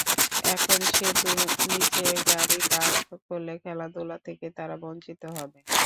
এখন সেতুর নিচে গাড়ি পার্ক করলে খেলাধুলা থেকে তারা বঞ্চিত হবে।